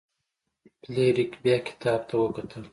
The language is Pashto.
فلیریک بیا کتاب ته وکتل.